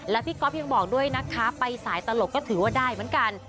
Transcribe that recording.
แล้วพี่ก๊อฟยังบอกด้วยนะคะไปสายตลกก็ถือว่าได้เหมือนกัน